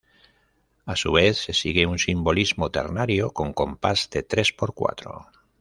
A su vez, se sigue un simbolismo ternario, con compás de tres por cuatro.